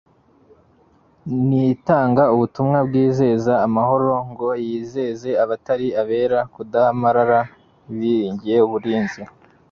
Ntitanga ubutumwa bwizeza amahoro ngo yizeze abatari abera kudamarara biringiye uburinzi